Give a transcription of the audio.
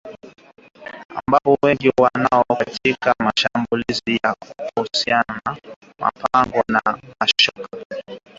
ambapo wengi wao ni katika mashambulizi ya usiku wa manane yaliyofanywa kwa kutumia mapanga na mashoka